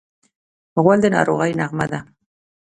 غول د ناروغۍ نغمه ده.